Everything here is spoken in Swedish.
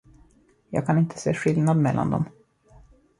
Jag kan inte se skillnad mellan dem.